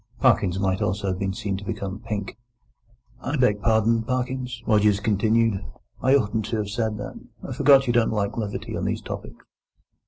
Parkins might also have been seen to become pink. "I beg pardon, Parkins," Rogers continued; "I oughtn't to have said that. I forgot you didn't like levity on these topics."